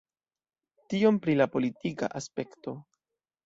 Tiom pri la politika aspekto.